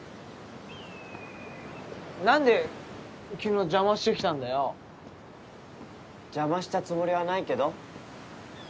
何で昨日邪魔してきたんだよ。邪魔したつもりはないけど。